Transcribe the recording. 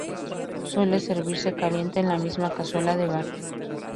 Suele servirse caliente en la misma cazuela de barro.